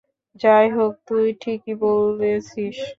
যাই হোক, তুই ঠিকই বলেছিস।